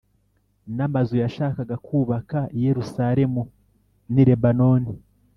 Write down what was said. n’amazu yashakaga kubaka i Yerusalemu n’i Lebanoni